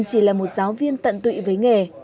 chỉ là một giáo viên tận tụy với nghề